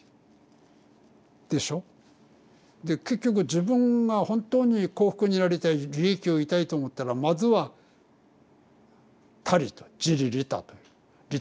でしょ？で結局自分が本当に幸福になりたい利益を得たいと思ったらまずは他利と自利利他という「利他」他を利することだ。